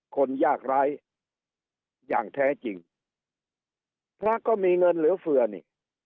คนยากร้ายอย่างแท้จริงพระก็มีเงินเหลือเฟือนี่